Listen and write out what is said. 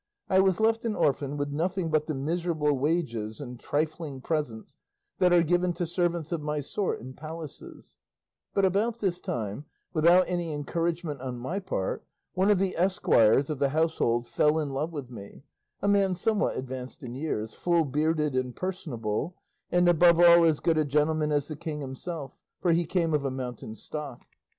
I was left an orphan with nothing but the miserable wages and trifling presents that are given to servants of my sort in palaces; but about this time, without any encouragement on my part, one of the esquires of the household fell in love with me, a man somewhat advanced in years, full bearded and personable, and above all as good a gentleman as the king himself, for he came of a mountain stock.